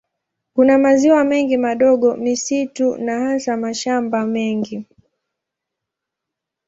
Kuna maziwa mengi madogo, misitu na hasa mashamba mengi.